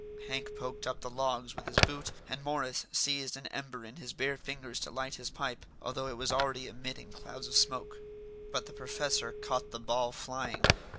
Hank poked up the logs with his boot, and Morris seized an ember in his bare fingers to light his pipe, although it was already emitting clouds of smoke. But the professor caught the ball flying.